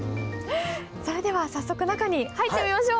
それでは早速中に入ってみましょう！